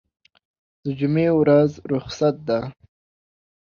دجمعې ورځ رخصت ده